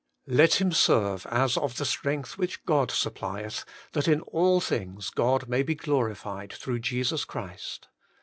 ' Let him serve as of the strength which God supplieth, that in all things God may be glorified through Jesus Christ.'